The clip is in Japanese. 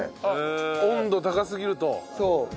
あっ温度高すぎると？